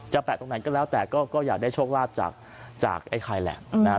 จะแตะตรงไหนก็แล้วแหละแต่ก็จะได้โชคลาปจากไอ้ไข่แหละ